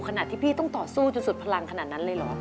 ขนาดที่พี่ต้องต่อสู้จนสุดพลังขนาดนั้นเลยเหรอ